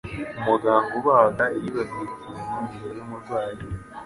Umuganga ubaga yibagiwe ikintu imbere yumurwayi.